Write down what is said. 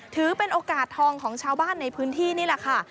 ถือเป็นโอกาสทองของชาวบ้านในพื้นที่นี่แหละค่ะ